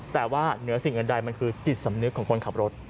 แต่ว่าเหนือสิ่งอื่นใดมันคือจิตสำนึกของคนขับรถ